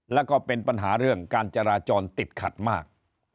แล้วก็เป็นปัญหาเรื่องการจราจรติดขัดมาก